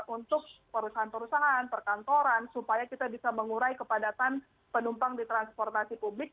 untuk perusahaan perusahaan perkantoran supaya kita bisa mengurai kepadatan penumpang di transportasi publik